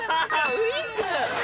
ウィッグ！